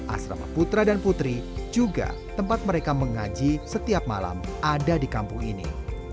asrama putra dan putri juga tempat mereka mengaji setiap malam ada di kampung ini